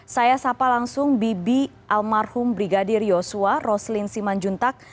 saya sapa langsung bibi almarhum brigadir yosua roslin simanjuntak